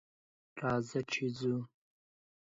راځه ! چې ځو.